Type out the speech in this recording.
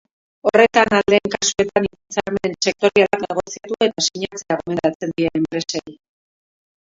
Horretan, ahal den kasuetan hitzarmen sektorialak negoziatu eta sinatzea gomendatzen die enpresei.